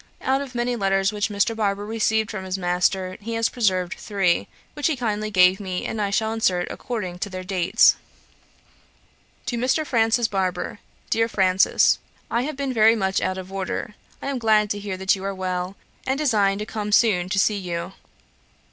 Out of many letters which Mr. Barber received from his master, he has preserved three, which he kindly gave me, and which I shall insert according to their dates. 'To MR. FRANCIS BARBER. 'DEAR FRANCIS, 'I have been very much out of order. I am glad to hear that you are well, and design to come soon to see you.